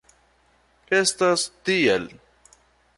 Estas tiel.